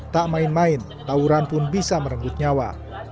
tak main main tawuran pun bisa merenggut nyawa